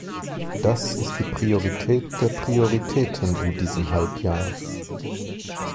Das ist die Priorität der Prioritäten in diesem Halbjahr!